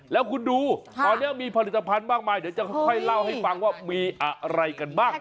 แล้วคุณดูตอนนี้มีผลิตภัณฑ์มากมายเดี๋ยวจะค่อยเล่าให้ฟังว่ามีอะไรกันบ้าง